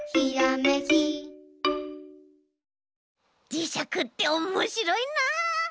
じしゃくっておもしろいな。